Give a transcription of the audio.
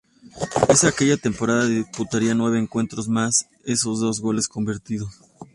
En aquella temporada disputaría nueve encuentros más esos dos goles convertidos.